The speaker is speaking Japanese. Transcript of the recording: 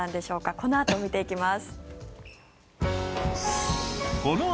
このあと見ていきます。